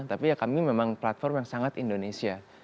tapi ya kami memang platform yang sangat indonesia